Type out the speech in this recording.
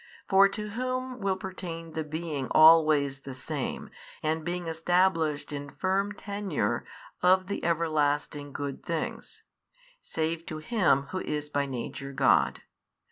For to whom will pertain the being always the same and being established in firm tenure of the everlasting good things, save to Him Who is by Nature God?